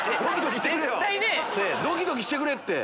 ドキドキしてくれって！